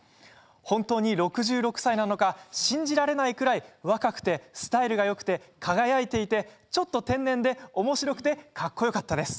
本当に６６歳なのか信じられないぐらい若くてスタイルがよくて、輝いていてちょっと天然でおもしろくてかっこよかったです。